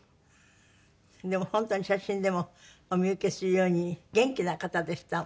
でも本当に写真でもお見受けするように元気な方でしたもんね。